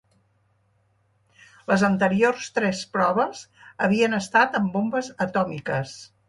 Les anteriors tres proves havien estat amb bombes atòmiques.